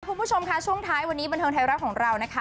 คุณผู้ชมค่ะช่วงท้ายวันนี้บันเทิงไทยรัฐของเรานะคะ